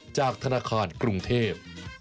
จากธนาคารกรุงเทพ